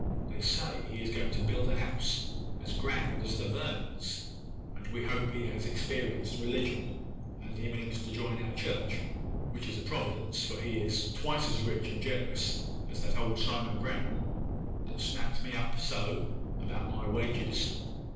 They say he is going to build a house as grand as the Vernons'; and we hope he has experienced religion, and he means to join our church, which is a providence, for he is twice as rich and generous as that old Simon Brown that snapped me up so about my wages.